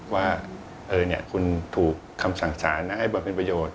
ว่าคุณถูกคำสั่งสารนะให้มาเป็นประโยชน์